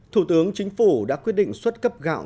thủ tướng chính phủ đã quyết định xuất cấp gạo